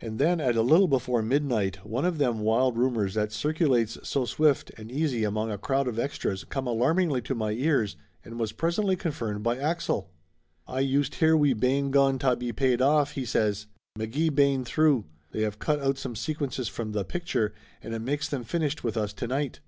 And then at a little before midnight one of them wild rumors that circulates so swift and easy among a crowd of extras come alarmingly to my ears and was pres ently confirmed by Axel. "Aye youst hear we bane going ta be paid off," he says. "McGee bane through. They have cut out some sequences from tha picture, and it makes them finished with us to night!"